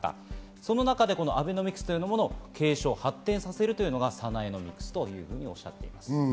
その中でアベノミクスを継承・発展させるというのがサナエノミクスとおっしゃっています。